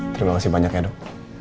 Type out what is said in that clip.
terima kasih banyak ya dok